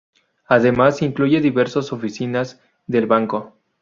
Además, incluye diversas oficinas del banco.